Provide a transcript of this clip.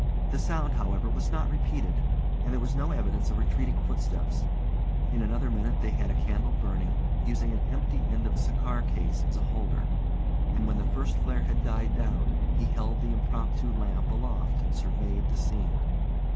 The sound, however, was not repeated; and there was no evidence of retreating footsteps. In another minute they had a candle burning, using an empty end of a cigar case as a holder; and when the first flare had died down he held the impromptu lamp aloft and surveyed the scene.